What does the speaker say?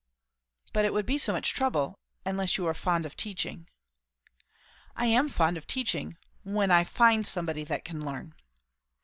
"But it would be so much trouble unless you are fond of teaching " "I am fond of teaching when I find somebody that can learn."